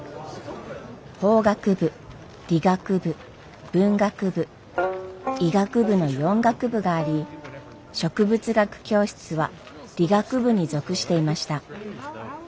法学部理学部文学部医学部の４学部があり植物学教室は理学部に属していました。